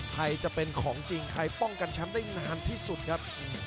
ไทยจะเป็นของจริงไทยป้องกันแชมป์ได้นานที่สุดครับ